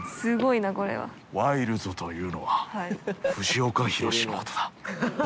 ワイルドというのは、藤岡弘、のことだ。